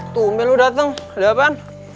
tumel lo dateng ada apaan